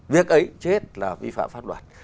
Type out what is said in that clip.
việc ấy chết là vi phạm pháp luật